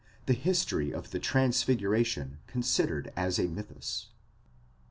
THE HISTORY OF THE TRANSFIGURATION CONSIDERED AS A MYTHUS.